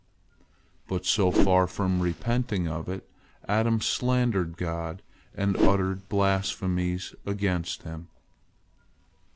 But so far from repenting of it, Adam slandered God, and uttered blasphemies against Him.